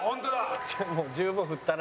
もう十分振ったな。